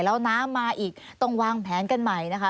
แล้วน้ำมาอีกต้องวางแผนกันใหม่นะคะ